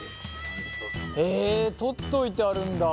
へえ取っといてあるんだ。